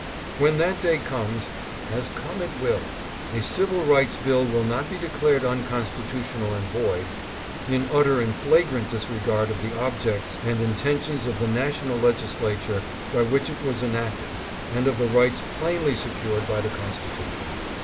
When that day comes, as come it will, a Civil Rights Bill will not be declared unconstitutional and void, in utter and flagrant disregard of the objects and inten tions of the national legislature by which it was enacted and of the rights plainly secured by the Constitution.